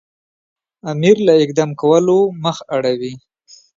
امیر له اقدام کولو مخ اړوي.